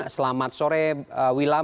selamat sore wilam